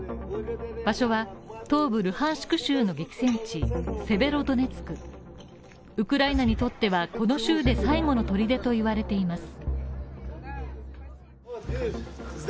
場所は東部ルハンシク州の激戦地セベロドネツクウクライナにとってはこの州で最後の砦と言われています。